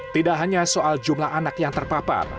tidak hanya soal jumlah anak yang terpapar